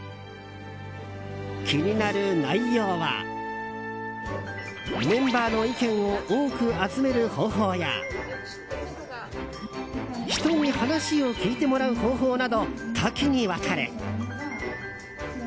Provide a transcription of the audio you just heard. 気になる内容はメンバーの意見を多く集める方法や人に話を聞いてもらう方法など多岐にわたる。